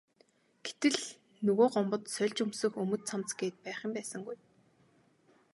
Гэтэл нөгөө Гомбод сольж өмсөх өмд цамц гээд байх юм байсангүй.